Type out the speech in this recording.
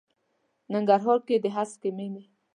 ننګرهار کې د هسکې مېنې.